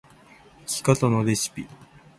生き方のレシピ